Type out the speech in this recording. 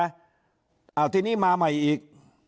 เอาทีนี้มาใหม่อีก